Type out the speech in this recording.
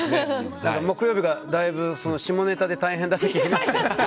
木曜日がだいぶ下ネタで大変だって聞きました。